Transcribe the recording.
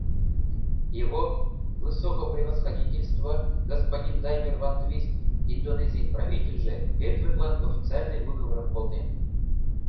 Его высокопревосходительство господин Даймер-ван-Твист, Индонезийын правительже, Эдвардлан официальный выговорым колтен.